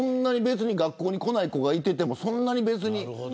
学校に来ない子がいてもそんなに別に。